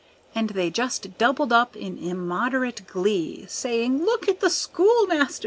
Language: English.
And they just doubled up in immoderate glee, Saying, "Look at the Schoolmaster!